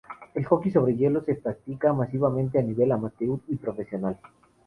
El hockey sobre hielo se practica masivamente a nivel amateur y profesional.